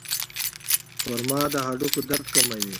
خرما د هډوکو درد کموي.